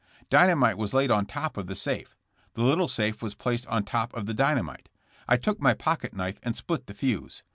Dynamite was laid on top of the safe; The little safe was placed on top of the dynamite. I took my pocket knife and split the fuse.